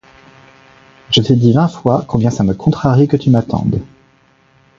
Je t'ai dit vingt fois combien ça me contrarie que tu m'attendes.